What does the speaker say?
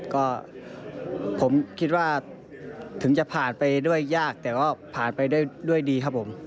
ก็ผมคิดว่าถึงจะผ่านไปด้วยยากแต่ก็ผ่านไปด้วยดีครับผม